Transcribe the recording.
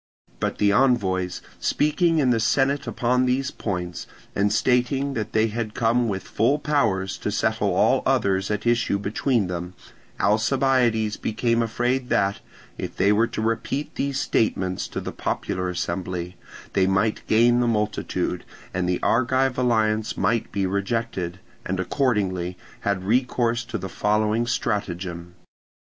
Upon the envoys speaking in the senate upon these points, and stating that they had come with full powers to settle all others at issue between them, Alcibiades became afraid that, if they were to repeat these statements to the popular assembly, they might gain the multitude, and the Argive alliance might be rejected, and accordingly had recourse to the following stratagem.